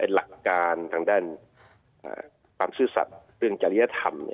หลักการทางด้านความซื่อสัตว์เรื่องจริยธรรม